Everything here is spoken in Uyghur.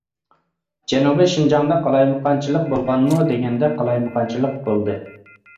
جەنۇبى شىنجاڭدا قالايمىقانچىلىق بولغانمۇ دېگەندە قالايمىقانچىلىق بولدى.